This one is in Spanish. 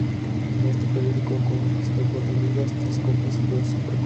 En este período, conquistó cuatro ligas, tres copas y dos supercopas.